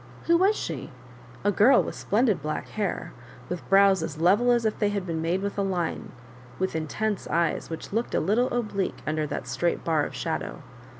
Who was she ? A girl with splendid black hair, with brows as level as if they had been made with a line, with intense eyes which looked a little oblique under that straight bar of shadow.